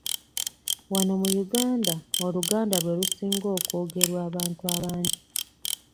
Wano mu Uganda Oluganda lwe lusinga okwogerwa abantu abangi.